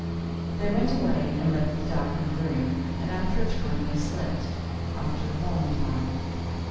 They went away and left the darkened room, and after a time they slept after a long time.